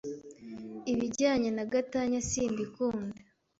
ibijyanye na gatanya simbikunda